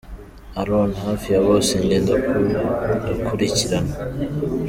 Aron : Hafi ya bose, njye ndakurikirana.